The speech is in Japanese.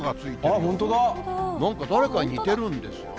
なんか誰かに似てるんですよね。